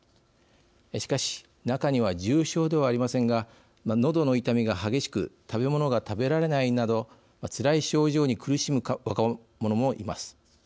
しかし、中には重症ではありませんがのどの痛みが激しく食べ物が食べられないなどつらい症状に苦しむ若者もいます。